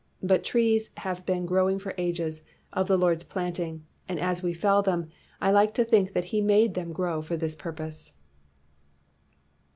But trees have been growing for ages, of the Lord's planting; and as we fell them, I like to think that he made them grow for this purpose."